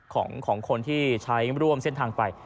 ของคนที่ใช้ร่วมเส้นทางไป